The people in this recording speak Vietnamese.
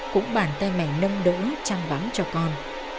cũng bàn tay mẹ nâng đỗ chăm vắng cho con